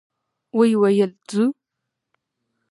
ويې ويل: ځو؟